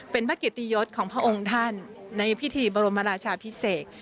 เป็นพระเกียรติยศของพระองค์ท่านในพิธีบรมราชาพิเศษ